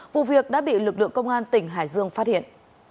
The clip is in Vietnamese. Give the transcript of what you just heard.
vụ việc đã bị lực lượng công an tỉnh hải dương phát hiện